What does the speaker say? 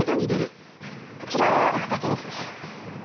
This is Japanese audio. こちらは畑ですね。